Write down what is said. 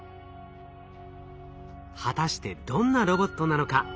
果たしてどんなロボットなのか？